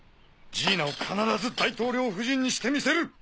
ジーナを必ず大統領夫人にしてみせる！